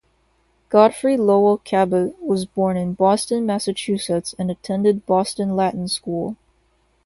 Godfrey Lowell Cabot was born in Boston, Massachusetts and attended Boston Latin School.